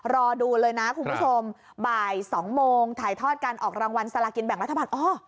รอดูเลยนะคุณผู้ชมบ่าย๒โมงถ่ายทอดการออกรางวัลสลากินแบ่งรัฐบาล